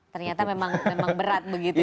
ternyata memang berat begitu ya